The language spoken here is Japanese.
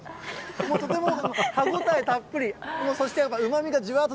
とても歯応えたっぷり、もうそしてうまみがじゅわーっと。